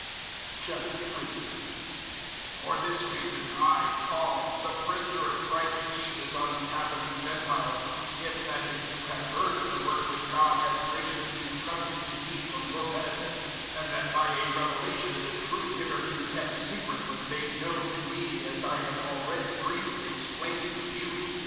003:001 For this reason I Paul, the prisoner of Christ Jesus on behalf of you Gentiles 003:002 if, that is, you have heard of the work which God has graciously entrusted to me for your benefit, 003:003 and that by a revelation the truth hitherto kept secret was made known to me as I have already briefly explained it to you.